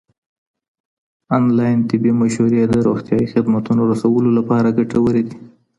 انلاين طبي مشورې د روغتيايي خدمتونو رسولو لپاره ګټورې دي.